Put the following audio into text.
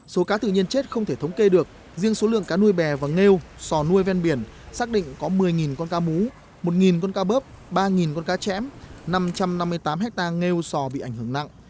số cá tự nhiên chết không thể thống kê được riêng số lượng cá nuôi bè và nghêu sò nuôi ven biển xác định có một mươi con cá mú một con cá bớp ba con cá chém năm trăm năm mươi tám hectare ngô sò bị ảnh hưởng nặng